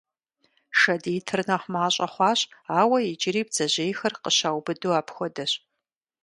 Шэд итыр нэхъ мащӀэ хъуащ, ауэ иджыри бдзэжьейхэр къыщаубыду апхуэдэщ.